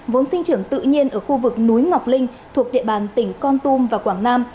vốn sinh trưởng tự nhiên ở khu vực núi ngọc linh thuộc địa bàn tỉnh con tum và quảng nam